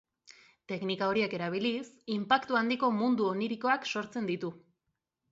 Teknika horiek erabiliz, inpaktu handiko mundu onirikoak sortzen ditu.